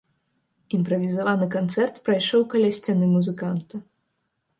Імправізаваны канцэрт прайшоў каля сцяны музыканта.